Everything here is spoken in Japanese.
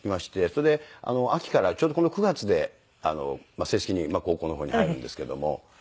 それで秋からちょうどこの９月で正式に高校の方に入るんですけども。